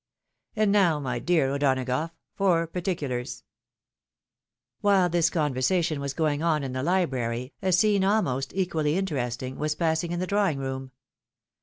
And now, my dear O'Donagougli, for particulars." 'F 1|p T^ Tit If? WMle this conversation was going on in the library, a scene almost equally interesting, was passing in the drawing room.